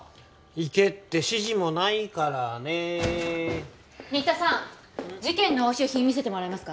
行けって指示もないからね新田さん事件の押収品見せてもらえますか？